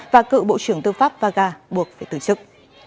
và cựu bộ trưởng tư pháp vaga buộc phải từ chức